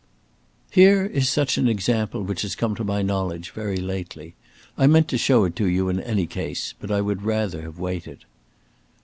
"Here is such an example which has come to my knowledge very lately. I meant to show it to you in any case, but I would rather have waited."